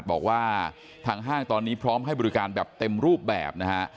บอกว่าทางห้างตอนนี้พร้อมให้บริการแบบเต็มรูปแบบนะฮะ